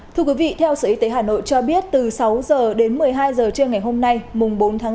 thưa quý vị theo sở y tế hà nội cho biết từ sáu h đến một mươi hai h trưa ngày hôm nay mùng bốn tháng bốn